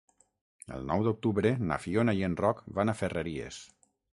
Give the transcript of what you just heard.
El nou d'octubre na Fiona i en Roc van a Ferreries.